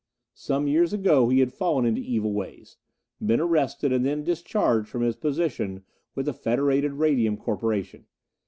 Some years ago he had fallen into evil ways. Been arrested, and then discharged from his position with the Federated Radium Corporation.